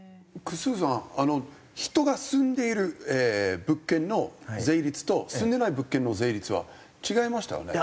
生さん人が住んでいる物件の税率と住んでない物件の税率は違いましたよね？